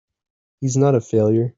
He's not a failure!